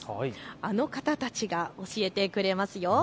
あの方たちが教えてくれますよ。